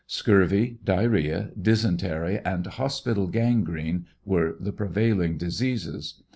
Scurvy, diarrhea, dysentary, and hospital gangrene were the pre vailing diseases.